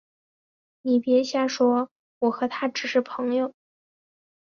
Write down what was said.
你别瞎说，我和他只是朋友